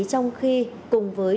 trong khi cùng với đồng chí